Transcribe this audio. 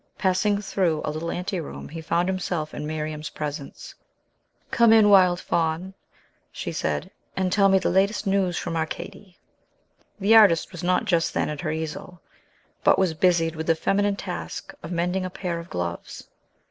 Passing through a little anteroom, he found himself in Miriam's presence. "Come in, wild Faun," she said, "and tell me the latest news from Arcady!" The artist was not just then at her easel, but was busied with the feminine task of mending a pair of gloves.